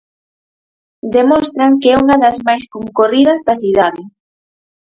Demostran que é unha das máis concorridas da cidade.